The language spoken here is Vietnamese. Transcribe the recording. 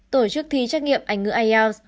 tổ chức thi trách nhiệm anh ngữ ielts